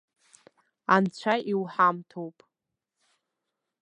Анцәа иуҳамҭоуп!